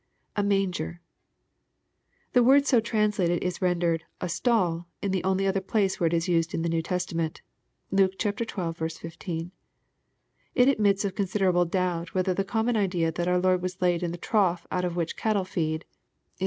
[A rruinger.] The word so translated is rendered, "a stall," in the only other place where it is used in the New Testament Luke xii. 15. It admits of considerable doubt whether the common ide^ that our Lord was laid in the trough out of which cattle feed, ia LUKE, CHAP.